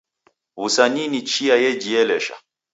W'usanii ni chia yejielesha.